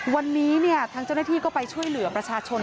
วันนี้ทางเจ้าหน้าที่ก็ไปช่วยเหลือประชาชน